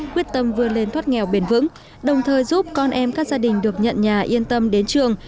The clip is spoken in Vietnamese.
quyết tâm vươn lên thoát nghèo bền vững đồng thời giúp con em các gia đình được nhận nhà yên tâm đến trường